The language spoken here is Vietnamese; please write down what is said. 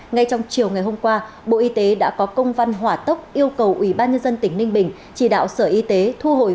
ngay trong chiều ngày hôm qua bộ y tế đã có công văn hỏa tốc yêu cầu ủy ban nhân dân tỉnh ninh bình chỉ đạo sở y tế thu hồi